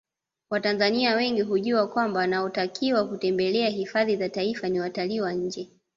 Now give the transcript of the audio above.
Watanzania wengi hujua kwamba wanaotakiwa kutembelea hifadhi za Taifa ni watalii wa nje